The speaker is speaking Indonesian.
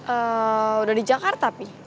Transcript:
eh udah di jakarta pi